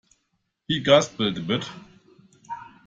He gasped a bit.